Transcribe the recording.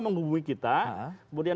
menghubungi kita kemudian